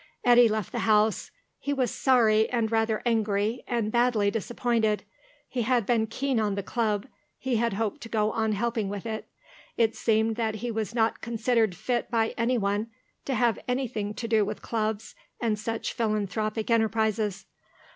Eddy left the house. He was sorry, and rather angry, and badly disappointed. He had been keen on the Club; he had hoped to go on helping with it. It seemed that he was not considered fit by anyone to have anything to do with clubs and such philanthropic enterprises.